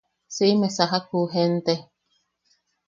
Siʼime sajak ju jente.